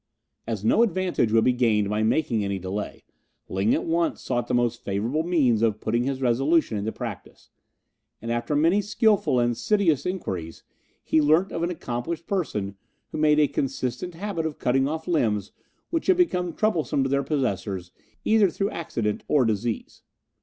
As no advantage would be gained by making any delay, Ling at once sought the most favourable means of putting his resolution into practice, and after many skilful and insidious inquiries he learnt of an accomplished person who made a consistent habit of cutting off limbs which had become troublesome to their possessors either through accident or disease.